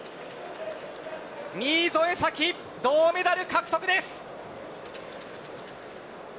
新添左季、銅メダル獲得です。